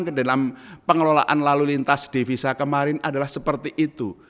ke dalam pengelolaan lalu lintas devisa kemarin adalah seperti itu